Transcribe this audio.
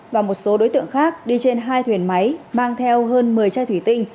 và một số đối tượng khác đi trên hai thuyền máy mang theo hơn một mươi chai thủy tinh